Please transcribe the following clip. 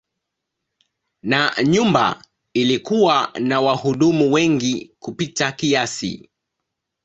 Na nyumba ilikuwa na wahudumu wengi kupita kiasi.